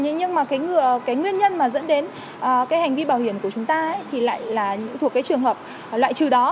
nhưng mà cái nguyên nhân mà dẫn đến cái hành vi bảo hiểm của chúng ta thì lại là thuộc cái trường hợp loại trừ đó